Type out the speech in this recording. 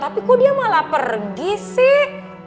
tapi kok dia malah pergi sih